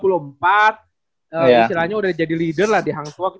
ini istilahnya udah jadi leader lah di hang tua